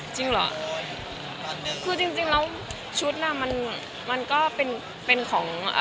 ตอนนี้คุณกลัวเห็น